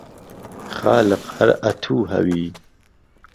خالق ههر ئه تو ههوی